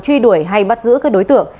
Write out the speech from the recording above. truy đuổi hay bắt giữ các đối tượng